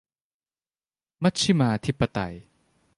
มัชฌิมาธิปไตย